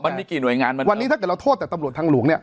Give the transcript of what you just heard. กี่หน่วยงานวันนี้ถ้าเกิดเราโทษแต่ตำรวจทางหลวงเนี่ย